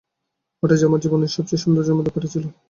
ওটা আমার জীবনের সবচেয়ে সুন্দর জন্মদিন পার্টি ছিল।